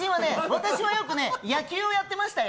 私はよく野球をやってましたよ。